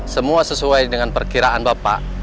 semua sesuai dengan perkiraan bapak